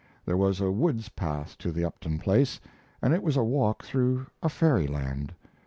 There was a woods path to the Upton place, and it was a walk through a fairyland.